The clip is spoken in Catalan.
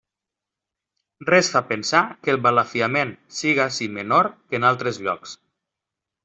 Res fa pensar que el balafiament siga ací menor que en altres llocs.